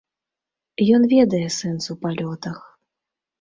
Ён ведае сэнс у палётах.